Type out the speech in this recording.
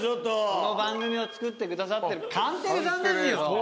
この番組を作ってくださってるカンテレさんですよ。